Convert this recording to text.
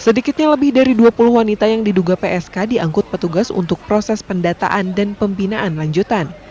sedikitnya lebih dari dua puluh wanita yang diduga psk diangkut petugas untuk proses pendataan dan pembinaan lanjutan